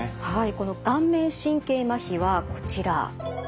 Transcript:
この顔面神経まひはこちら。